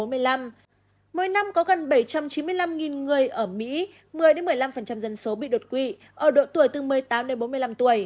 mỗi năm có gần bảy trăm chín mươi năm người ở mỹ một mươi một mươi năm dân số bị đột quỵ ở độ tuổi từ một mươi tám đến bốn mươi năm tuổi